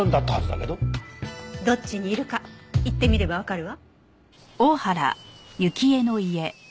どっちにいるか行ってみればわかるわ。